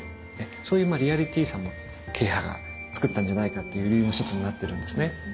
そういうリアリティーさも慶派がつくったんじゃないかっていう理由の一つになってるんですね。